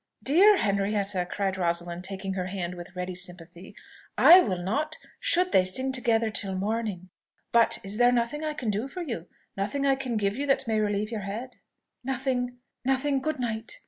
"Dear Henrietta!" cried Rosalind, taking her hand with ready sympathy, "I will not, should they sing together till morning. But is there nothing I can do for you nothing I can give you that may relieve your head?" "Nothing, nothing! Good night!"